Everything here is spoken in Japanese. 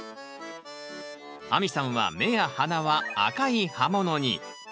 亜美さんは目や鼻は赤い葉ものに。